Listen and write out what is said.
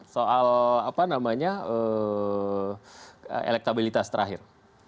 soal apa namanya elektabilitas terakhir